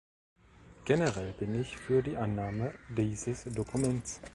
Generell bin ich für die Annahme dieses Dokuments.